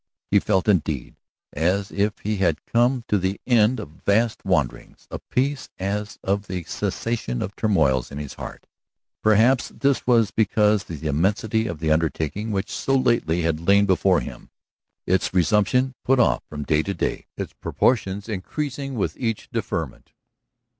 He felt, indeed, as if he had come to the end of vast wanderings, a peace as of the cessation of turmoils in his heart. Perhaps this was because of the immensity of the undertaking which so lately had lain before him, its resumption put off from day to day, its proportions increasing with each deferment.